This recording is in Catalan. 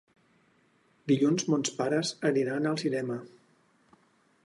Dilluns mons pares aniran al cinema.